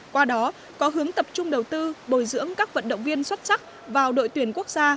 qua đó có hướng tập trung đầu tư bồi dưỡng các vận động viên xuất sắc vào đội tuyển quốc gia